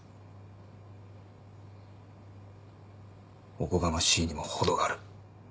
おこがましいにも程がある。